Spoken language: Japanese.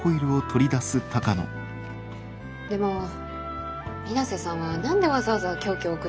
でも水無瀬さんは何でわざわざ凶器を送ってきたんでしょうね。